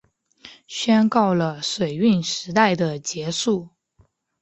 宣告了水运时代的结束